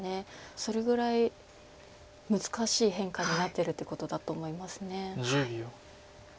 それぐらい難しい変化になってるということだと思います。